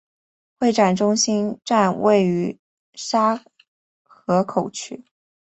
会展中心站位于沙河口区。